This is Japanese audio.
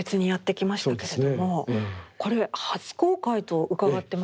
これ初公開と伺ってますが。